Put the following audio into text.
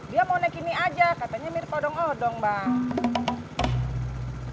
dia mau naik ini aja katanya mirip odong odong bang